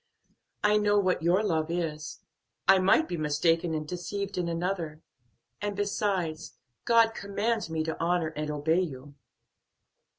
I know what your love is, I might be mistaken and deceived in another. And besides, God commands me to honor and obey you."